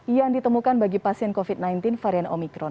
yang ditemukan bagi pasien covid sembilan belas varian omikron